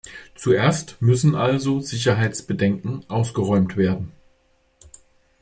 Zuerst müssen also Sicherheitsbedenken ausgeräumt werden.